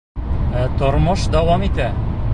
Ә тормош дауам итә!